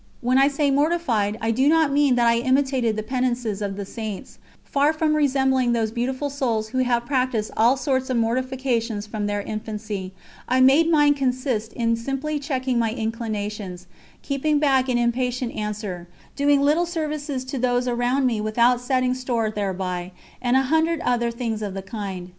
When I say mortified, I do not mean that I imitated the penances of the Saints; far from resembling those beautiful souls who have practised all sorts of mortifications from their infancy, I made mine consist in simply checking my inclinations, keeping back an impatient answer, doing little services to those around me without setting store thereby, and a hundred other things of the kind.